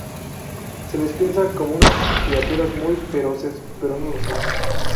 Se les piensa como unas criaturas muy feroces, pero no lo son".